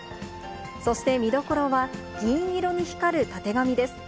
そして見どころは、銀色に光るたてがみです。